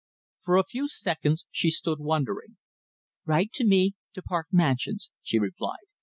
For a few seconds she stood wondering. "Write to me to Park Mansions," she replied.